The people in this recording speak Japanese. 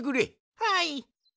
はい。